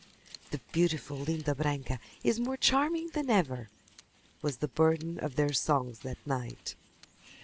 "The beautiful Linda Branca is more charming than ever," was the burden of their songs that night.